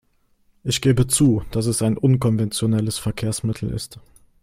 Ich gebe zu, dass es ein unkonventionelles Verkehrsmittel ist.